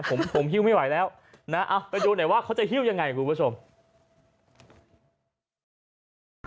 ก็ดูหน่อยว่าเขาจะฮิ้วยังไงกับกลุ่มประสงค์